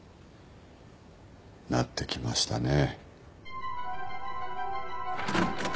なってきましたねぇ。